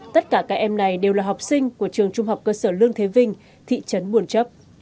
tất cả các em này đều là học sinh của trường trung học cơ sở lương thế vinh thị trấn buồn chấp